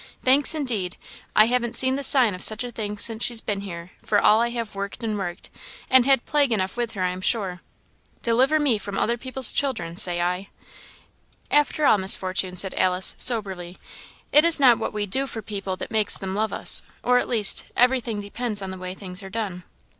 Thanks, indeed! I haven't seen the sign of such a thing since she's been here, for all I have worked and worked, and had plague enough with her, I am sure. Deliver me from other people's children, say I!" "After all, Miss Fortune," said Alice, soberly, "it is not what we do for people that makes them love us or, at least, everything depends on the way things are done.